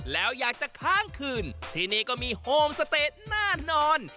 แล้วอยากจะค้างคืนที่นี่ก็มีโฮมสเตจแน่นอน